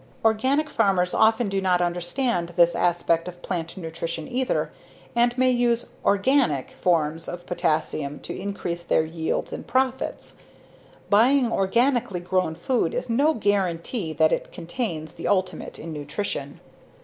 Organic farmers often do not understand this aspect of plant nutrition either and may use "organic" forms of potassium to increase their yields and profits. Buying organically grown food is no guarantee that it contains the ultimate in nutrition.